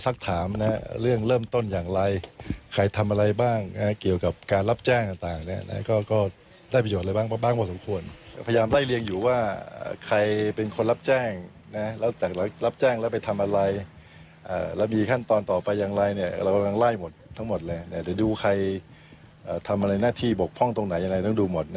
ใครทำอะไรหน้าที่บกพร่องตรงไหนต้องดูหมด